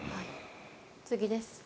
次です。